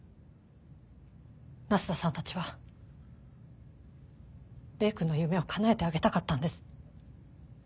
那須田さんたちは礼くんの夢をかなえてあげたかったんです。